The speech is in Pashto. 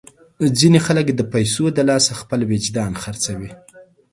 ځینې خلک د پیسو د لاسه خپل وجدان خرڅوي.